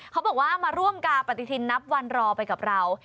เขาบอกว่ามาร่วมกาปฏิทินนับวันรอไปกับเรา